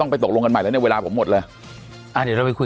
ไปตกลงกันใหม่แล้วเนี่ยเวลาผมหมดเลยอ่าเดี๋ยวเราไปคุย